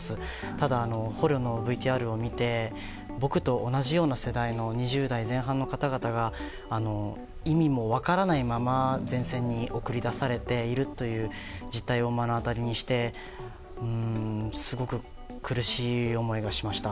ただ、捕虜のＶＴＲを見て僕と同じような世代の２０代前半の方々が意味も分からないまま前線に送り出されているという実態を目の当たりにしてすごく苦しい思いをしました。